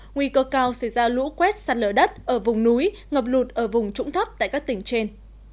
nguy cơ cao xảy ra lũ quét sạt lở đất ở vùng núi ngập lụt ở vùng trũng thấp tại các tỉnh trên